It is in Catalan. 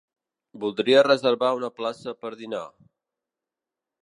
Voldria reservar una plaça per dinar.